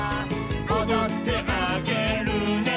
「おどってあげるね」